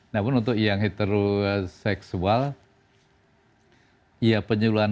namun untuk yang heteroseksual